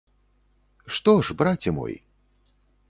Што ж, браце мой?